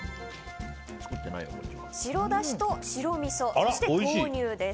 白だしと白みそそして、豆乳です。